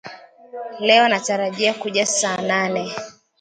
Leo natarajia kuja saa nane